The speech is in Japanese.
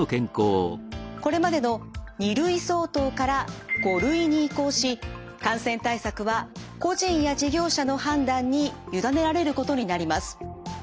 これまでの２類相当から５類に移行し感染対策は個人や事業者の判断に委ねられることになります。